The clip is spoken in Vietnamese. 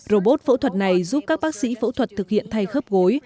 robot phẫu thuật này giúp các bác sĩ phẫu thuật thực hiện thay khớp gối